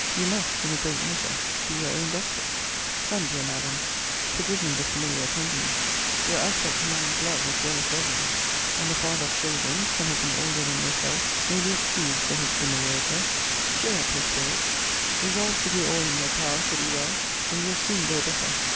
You must, in a great measure, be your own doctress. Come, dear Madam, [forgive me the familiar tenderness; your aspect commands love as well as reverence; and a father of children, some of them older than yourself, may be excused for his familiar address,] cheer up your spirits. Resolve to do all in your power to be well; and you'll soon grow better.